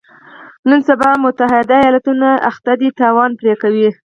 نن سبا متحده ایالتونه لګیا دي تاوان پرې کوي.